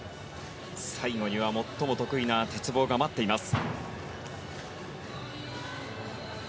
最後には最も得意な鉄棒が待っています。